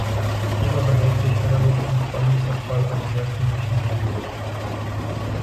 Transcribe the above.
Dieser verhält sich analog zum Spannungsabfall einer herkömmlichen Diode.